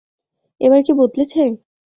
এবার কী বদলেছে?